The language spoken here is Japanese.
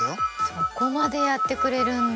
そこまでやってくれるんだ！